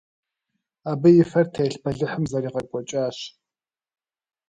Абы и фэр телъ бэлыхьым зэригъэкӏуэкӏащ.